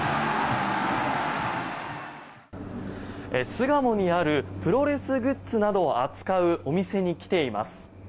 巣鴨にあるプロレスグッズなどを扱うお店に来ています。